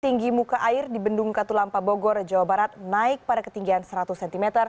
tinggi muka air di bendung katulampa bogor jawa barat naik pada ketinggian seratus cm